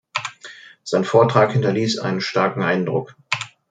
Sein Vortrag hinterließ einen starken Eindruck.